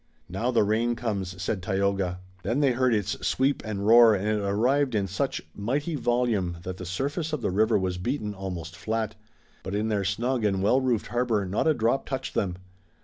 "Now the rain comes," said Tayoga. Then they heard its sweep and roar and it arrived in such mighty volume that the surface of the river was beaten almost flat. But in their snug and well roofed harbor not a drop touched them.